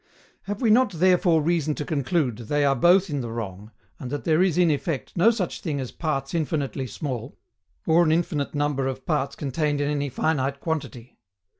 Have we not therefore reason to conclude they are both in the wrong, and that there is in effect no such thing as parts infinitely small, or an infinite number of parts contained in any finite quantity?